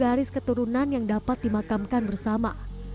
garis keturunan yang dapat dimakamkan bersama